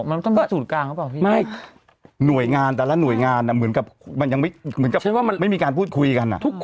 มันต้องมีสูตรกลางหรือเปล่าพี่